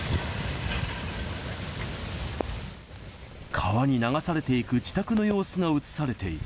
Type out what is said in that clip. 川に流されていく自宅の様子が写されていた。